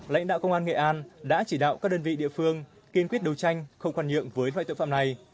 lãnh đạo công an nghệ an đã chỉ đạo các đơn vị địa phương kiên quyết đấu tranh không khoan nhượng với loại tội phạm này